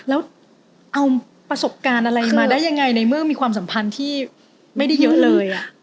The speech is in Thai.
แล้วเอาประสบการณ์อะไรมาได้ยังไงในเมื่อมีความสัมพันธ์ที่ไม่ได้เยอะเลย